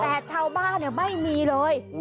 แต่ชาวบ้านเนี่ยไม่มีเลย